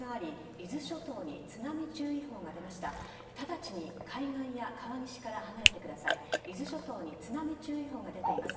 伊豆諸島に津波注意報が出ています。